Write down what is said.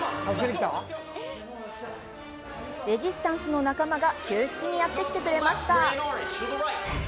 レジスタンスの仲間が救出にやってきてくれました！